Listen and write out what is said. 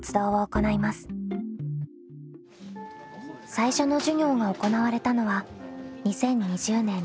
最初の授業が行われたのは２０２０年２月。